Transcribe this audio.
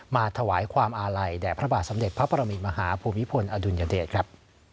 มาถวายความอาลัยแด่พระบาทสมเด็จพระปรมินมหาภูมิพลอดุลยเดชครับ